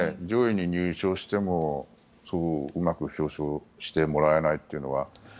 上位に入賞しても、うまく表彰してもらえないってのは。